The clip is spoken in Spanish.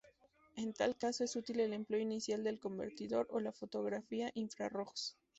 En tal caso es útil el empleo inicial del convertidor o la fotografía infrarrojos.